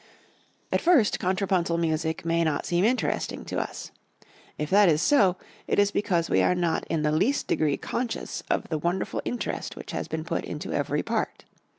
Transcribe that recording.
At first contrapuntal music may not seem interesting to us. If that is so, it is because we are not in the least degree conscious of the wonderful interest which has been put into every part.